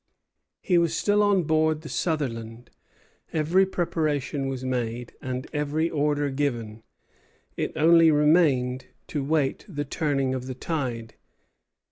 He was still on board the "Sutherland." Every preparation was made, and every order given; it only remained to wait the turning of the tide.